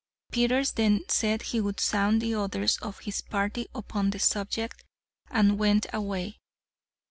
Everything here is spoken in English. Peters then said he would sound the others of his party upon the subject, and went away.